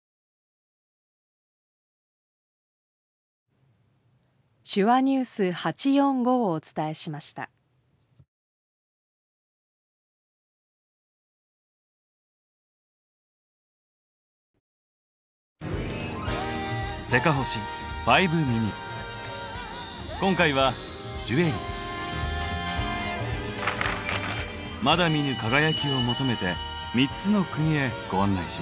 まだ見ぬ輝きを求めて３つの国へご案内します。